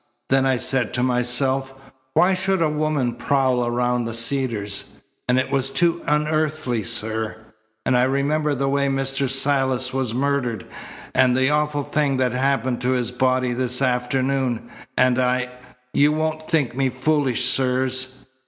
Then I said to myself, why should a woman prowl around the Cedars? And it was too unearthly, sir, and I remembered the way Mr. Silas was murdered, and the awful thing that happened to his body this afternoon, and I you won't think me foolish, sirs?